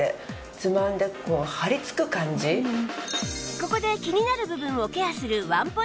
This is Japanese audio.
ここで気になる部分をケアするワンポイントレッスン